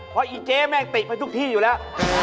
เพราะอีเจ๊แม่งติไปทุกที่อยู่แล้ว